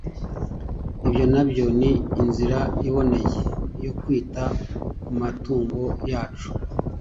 Ibyo na byo ni inzira iboneye yo kwita ku matungo yacu